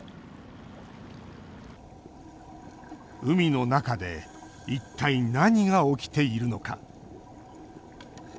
海の中で一体何が起きているのか。